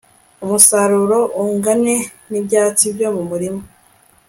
umusaruro ungane n'ibyatsi byo mu mirima